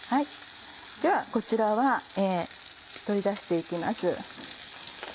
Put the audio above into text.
ではこちらは取り出していきます。